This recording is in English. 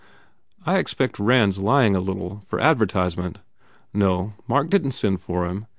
1 "I expect Rand s lying a little, for advertise ment. No, Mark didn t send for him.